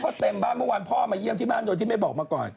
เพราะเต็มบ้านเมื่อวานพ่อมาเยี่ยมที่บ้านโดยที่ไม่บอกมาก่อน